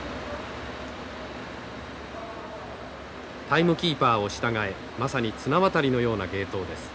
タイムキーパーを従えまさに綱渡りのような芸当です。